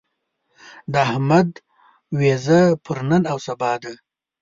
د احمد وېزه پر نن او سبا ده.